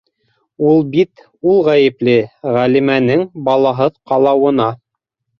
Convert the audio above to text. Ул бит, ул ғәйепле Ғәлимәнең балаһыҙ ҡалыуына!